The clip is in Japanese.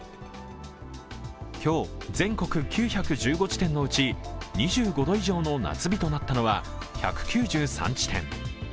今日、全国９１５地点のうち２５度以上の夏日となったのは１９３地点。